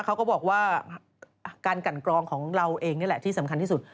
เขาก็บอกว่าการกันกรองของเราเองนี่แหละที่สำคัญที่สุด